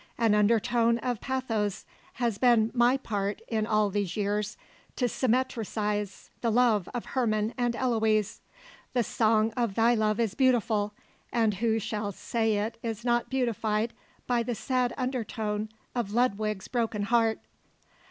An undertone of pathos has been my part in all these years to symmetrize the love of Herman and Eloise. The song of thy love is beautiful, and who shall say it is not beautified by the sad undertone of Ludwig's broken heart?"